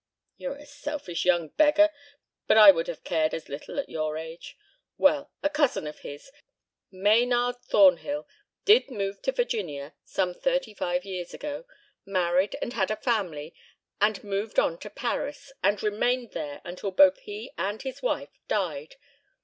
"You're a selfish young beggar, but I would have cared as little at your age. Well a cousin of his, Maynard Thornhill, did move to Virginia some thirty five years ago, married, and had a family, then moved on to Paris and remained there until both he and his wife died.